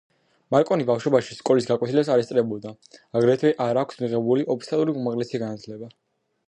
მარკონი ბავშვობაში სკოლის გაკვეთილებს არ ესწრებოდა, აგრეთვე არ აქვს მიღებული ოფიციალური უმაღლესი განათლება.